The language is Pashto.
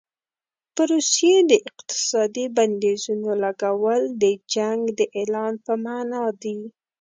په روسیې د اقتصادي بندیزونو لګول د جنګ د اعلان په معنا دي.